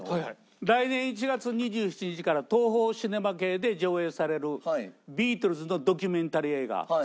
来年１月２７日からＴＯＨＯシネマ系で上映されるビートルズのドキュメンタリー映画。